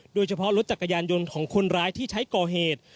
โดยเฉพาะรถจักรยานยนต์ของคนร้ายที่ใช้ก่อเหตุ